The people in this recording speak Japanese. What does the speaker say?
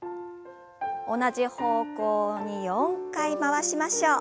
同じ方向に４回回しましょう。